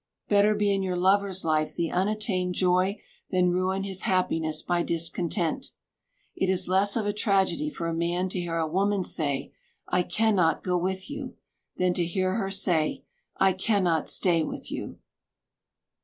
Better be in your lover's life the unattained joy, than ruin his happiness by discontent. It is less of a tragedy for a man to hear a woman say "I cannot go with you," than to hear her say "I cannot stay with you."